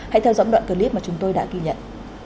hãy theo dõi đoạn clip mà chúng tôi đã ghi nhận